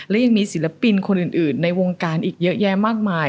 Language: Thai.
และยังมีศิลปินคนอื่นในวงการอีกเยอะแยะมากมาย